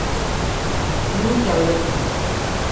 لوُ چل رہی ہے